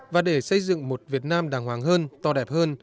và để xây dựng một việt nam đàng hoàng hơn to đẹp hơn